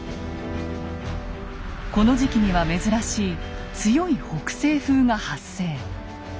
この時期には珍しい強い北西風が発生。